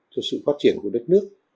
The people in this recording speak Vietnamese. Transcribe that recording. cho sự phát triển của đất nước